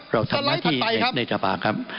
เราทำหน้าที่ในสภาครับ